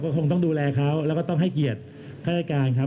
คงต้องดูแลเขาแล้วก็ต้องให้เกียรติข้าราชการครับ